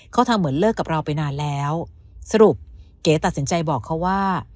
เขาทำเหมือนเลิกกับเราไปนานแล้วสรุปเก๋ตัดสินใจบอกเขาว่า